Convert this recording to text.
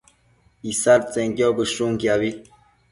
isadtsenquio bëshuquiabi